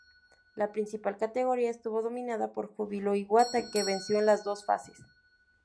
La principal categoría estuvo dominada por Júbilo Iwata, que venció en las dos fases.